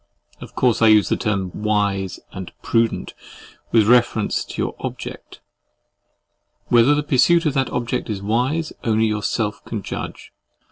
Of course I use the terms "wise" and "prudent" with reference to your object. Whether the pursuit of that object is wise, only yourself can judge.